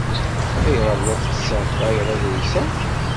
Ayɣer ay la tesseɣtayeḍ aḍris-a?